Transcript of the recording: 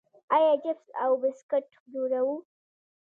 آیا چپس او بسکټ جوړوو؟